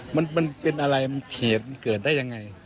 มันเป็นอะไรเหตุเกิดได้อย่างไร